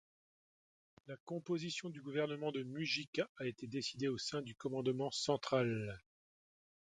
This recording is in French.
La composition du gouvernement de Mujica a été décidée au sein du Commandement central.